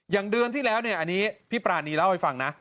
เดือนที่แล้วเนี่ยอันนี้พี่ปรานีเล่าให้ฟังนะ